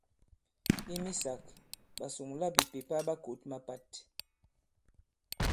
I misāk, ɓasuŋlabìpèpa ɓa kǒt mapat.